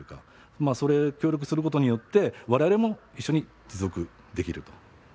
まあそれ協力することによって我々も一緒に持続できると。